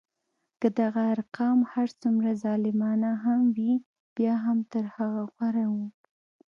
که دغه ارقام هر څومره ظالمانه هم وي بیا هم تر هغه غوره وو.